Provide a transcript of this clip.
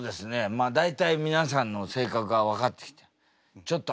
まあ大体皆さんの性格が分かってきてちょっとあんじゅは要注意。